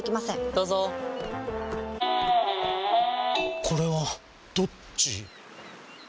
どうぞこれはどっち？